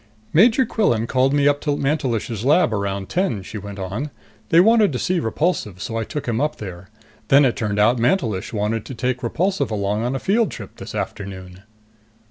"Major Quillan called me up to Mantelish's lab around ten," she went on. "They wanted to see Repulsive, so I took him up there. Then it turned out Mantelish wanted to take Repulsive along on a field trip this afternoon."